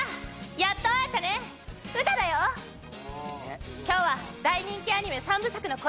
やっと会えたねウタだよ今日は大人気アニメ３部作の声